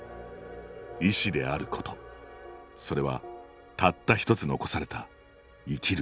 医師であることそれはたったひとつ残された「生きる意味」。